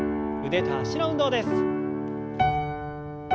腕と脚の運動です。